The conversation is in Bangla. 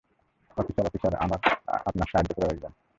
অফিসার, অফিসার আমার আপনার সাহায্য প্রয়োজন।